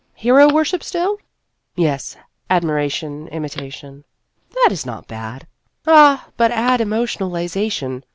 " Hero worship still ?" "Yes, admiration, imitation " That is not bad." " Ah, but add emotionalization.